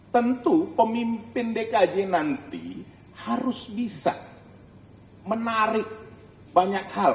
tentu pemimpin dki nanti harus bisa menarik banyak hal